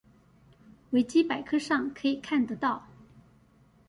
維基百科上可以看得到